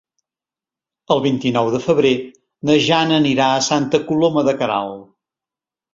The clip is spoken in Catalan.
El vint-i-nou de febrer na Jana anirà a Santa Coloma de Queralt.